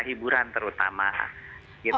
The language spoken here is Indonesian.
terutama untuk tarian terhiburan